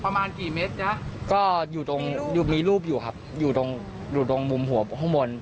ประมาณกี่เมตรนะก็อยู่ตรงมีรูปอยู่ครับอยู่ตรงอยู่ตรงมุมหัวข้างบน